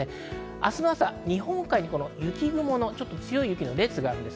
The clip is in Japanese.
明日の朝、日本海に雪雲のちょっと強い列があります。